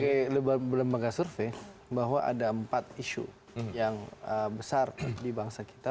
kalau kita lihat di lembaga survei bahwa ada empat isu yang besar di bangsa kita